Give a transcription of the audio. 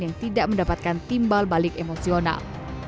yang tidak mendapatkan timbal balik emosional